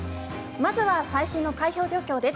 まずは最新の開票状況です。